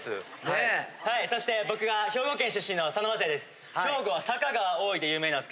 そして僕が兵庫県出身の佐野昌哉です。